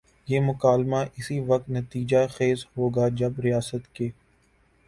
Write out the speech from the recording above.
یہ مکالمہ اسی وقت نتیجہ خیز ہو گا جب ریاست کے